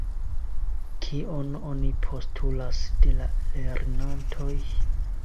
Kion oni postulas de la lernantoj?